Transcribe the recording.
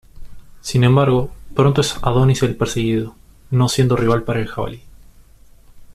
Sin embargo, pronto es Adonis el perseguido, no siendo rival para el jabalí.